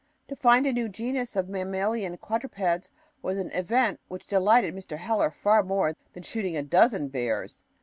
To find a new genus of mammalian quadrupeds was an event which delighted Mr. Heller far more than shooting a dozen bears.